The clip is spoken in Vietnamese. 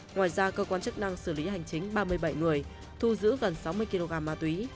ngoài ra cơ quan chức năng xử lý hành chính ba mươi bảy người thu giữ gần sáu mươi kg ma túy